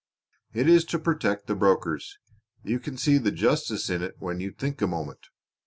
"It is to protect the brokers. You can see the justice in it when you think a moment.